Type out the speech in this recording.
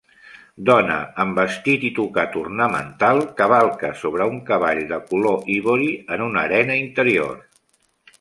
Dona amb vestit i tocat ornamental cavalca sobre un cavall de color ivori en una arena interior